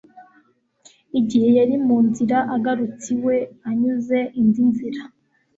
Igihe yari mu nzira agarutse iwe anyuze indi nzira